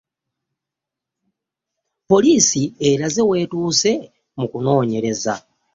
Poliisi eraze wetuuse mu kunonyereza.